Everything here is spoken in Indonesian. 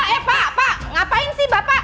eh pak pak ngapain sih bapak